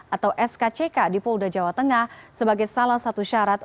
atau skck di polda jawa tengah sebagai salah satu syarat